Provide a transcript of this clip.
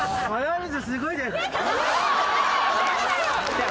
いや。